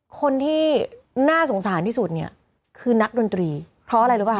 คนที่น่าสงสารที่สุดเนี่ยคือนักดนตรีเพราะอะไรรู้ป่